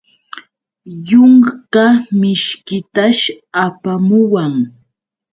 Yunka mishkitash apamuwan.